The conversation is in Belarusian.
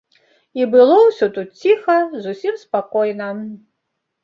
І было ўсё тут ціха, зусім спакойна.